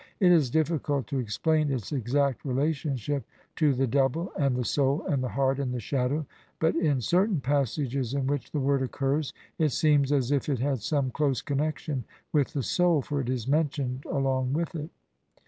It is difficult to explain its exact relationship to the double, and the soul, and the heart, and the shadow, but in cer tain passages in which the word occurs it seems as if it had some close connexion with the soul, for it is mentioned along with it.